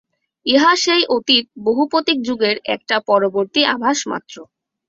ইহা সেই অতীত বহুপতিক যুগের একটা পরবর্তী আভাসমাত্র।